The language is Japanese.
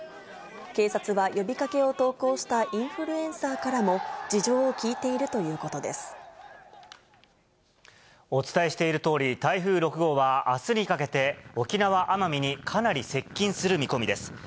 警察は呼びかけを投稿したインフルエンサーからも事情を聴いていお伝えしているとおり、台風６号は、あすにかけて沖縄・奄美にかなり接近する見込みです。